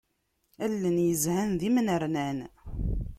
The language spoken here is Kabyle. Allen yezhan d imnernan.